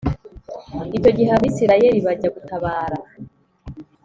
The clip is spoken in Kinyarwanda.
Icyo gihe abayisiraheli bajya gutabara